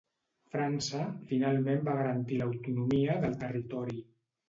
França finalment va garantir l'autonomia del territori.